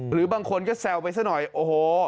หรือบางคนก็แซวไปซะหน่อยโอ้โห